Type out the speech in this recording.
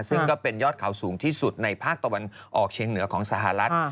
ซึ่งก็เป็นยอดเขาสูงที่สุดในภาคตะวันออกเชียงเหนือของสหรัฐ